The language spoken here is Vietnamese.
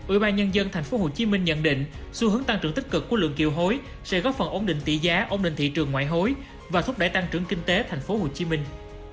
ủy ban nhân dân thành phố hồ chí minh nhận định xu hướng tăng trưởng tích cực của lượng kêu hối sẽ góp phần ổn định tỷ giá ổn định thị trường ngoại hối và thúc đẩy tăng trưởng kinh tế thành phố hồ chí minh